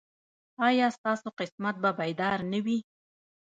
ایا ستاسو قسمت به بیدار نه وي؟